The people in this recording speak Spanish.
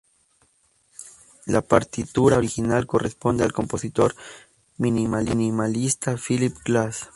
La partitura original corresponde al compositor minimalista Philip Glass.